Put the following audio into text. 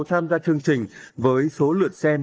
tham gia chương trình với số lượt xem